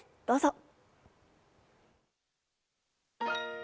どうぞ。